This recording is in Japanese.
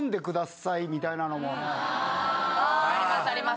ありますあります。